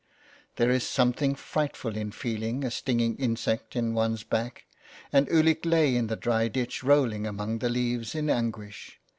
There is something frightful in feeling a stinging insect in one's back, and Ulick lay in the dry ditch, rolling among the leaves in anguish.